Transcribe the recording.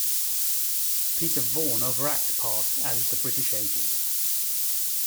Peter Vaughan overacts part as the British agent.